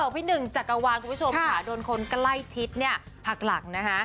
พี่หนึ่งจักรวาลคุณผู้ชมค่ะโดนคนใกล้ชิดเนี่ยหักหลังนะคะ